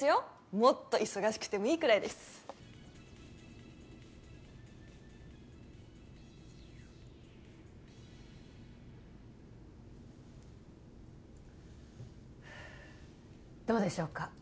もっと忙しくてもいいくらいですどうでしょうか？